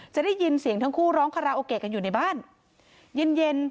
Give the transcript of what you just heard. จะได้ยินเสียงทั้งคู่ร้องคาราโอเกะกันอยู่ในบ้านเย็นเย็น